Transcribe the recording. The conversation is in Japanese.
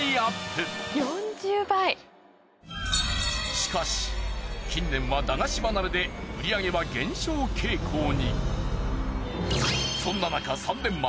しかし近年は駄菓子離れで売上は減少傾向に。